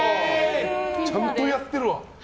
ちゃんとやってるわ。